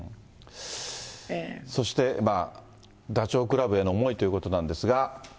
そして、ダチョウ倶楽部への思いということなんですが。